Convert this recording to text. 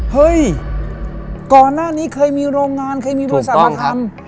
เฮ้ยก่อนหน้านี้เคยมีโรงงานเคยมีบริษัทมาทำ